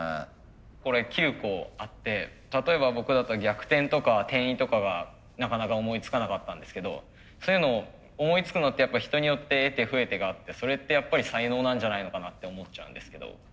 これ９個あって例えば僕だったら逆転とか転移とかがなかなか思いつかなかったんですけどそういうのを思いつくのってやっぱ人によって得手不得手があってそれってやっぱり才能なんじゃないのかなって思っちゃうんですけど。